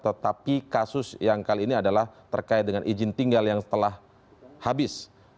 tetapi kasus yang kali ini adalah terkait dengan izin tinggal yang telah habis